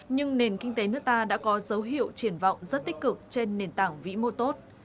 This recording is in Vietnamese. nhưng nền kinh tế nước ta đã có dấu hiệu triển vọng rất tích cực trên nền tảng vĩ mô tốt